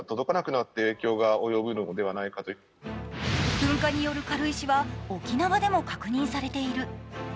噴火による軽石は沖縄でも確認されている。